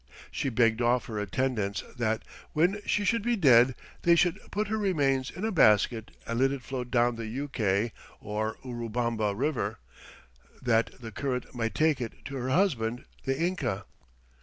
She begged of her attendants that "when she should be dead they would put her remains in a basket and let it float down the Yucay [or Urubamba] River, that the current might take it to her husband, the Inca."